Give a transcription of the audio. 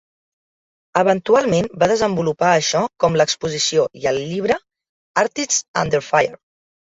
Eventualment va desenvolupar això com l'exposició i el llibre "Artists Under Fire".